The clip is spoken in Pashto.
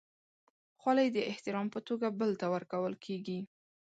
خولۍ د احترام په توګه بل ته ورکول کېږي.